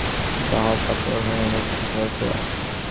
তাহারা তাহাকে দেখিয়া যেন চকিত হইয়া উঠিল।